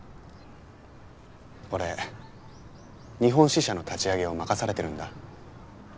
俺日本支社の立ち上げを任されてるんだ。